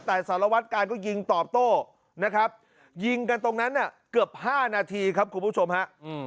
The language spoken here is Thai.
แต่สารวัตกาลก็ยิงตอบโต้นะครับยิงกันตรงนั้นเกือบ๕นาทีครับคุณผู้ชมฮะ